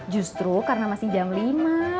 justru karena masih jam lima